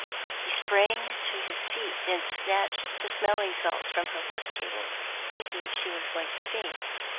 He sprang to his feet, and snatched the smelling salts from her work table, thinking she was going to faint.